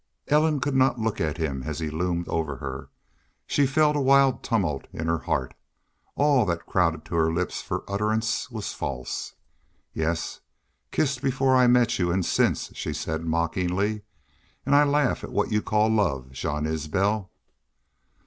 Ellen could not look at him as he loomed over her. She felt a wild tumult in her heart. All that crowded to her lips for utterance was false. "Yes kissed before I met you and since," she said, mockingly. "And I laugh at what y'u call love, Jean Isbel."